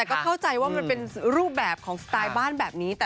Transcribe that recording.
ก็เข้าใจว่ามันเป็นรูปแบบของสไตล์บ้านแบบนี้